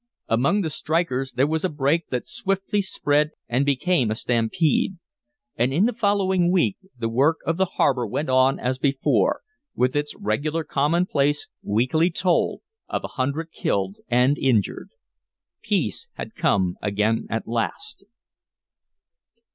Among the strikers there was a break that swiftly spread and became a stampede. And in the following week the work of the harbor went on as before, with its regular commonplace weekly toll of a hundred killed and injured. Peace had come again at last.